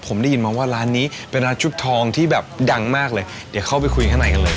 ผมได้ยินมาว่าร้านนี้เป็นร้านชุดทองที่แบบดังมากเลยเดี๋ยวเข้าไปคุยข้างในกันเลย